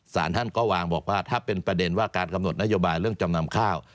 สารท่านก็วางบอกว่าถ้าเป็นประเด็นว่าการกำหนดนโยบายเรื่องจำนำข้าว